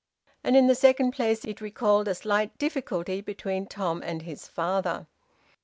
And in the second place it recalled a slight difficulty between Tom and his father.